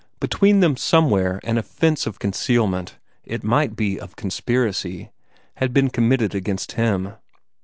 Between them somewhere an offence of concealment, it might be of conspiracy, had been committed against him.